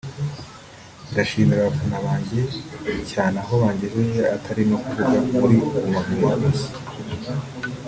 Ndashimira abafana banjye cyane aho bangejeje atari no kuvuga muri Guma Guma gusa